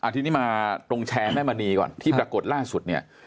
ทีนี้มาตรงแชร์แม่มณีก่อนที่ปรากฏล่าสุดเนี่ย